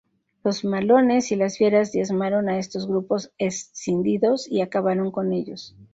Los malones y las fieras diezmaron a estos grupos escindidos y acabaron con ellos.